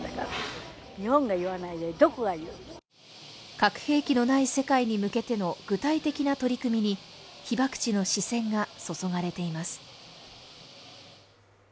核兵器のない世界に向けての具体的な取り組みに被爆地の視線が注がれています。